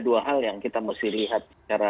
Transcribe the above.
dua hal yang kita mesti lihat secara